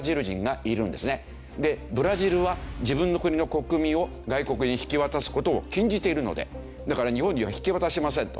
でブラジルは自分の国の国民を外国に引き渡す事を禁じているのでだから日本には引き渡しませんと。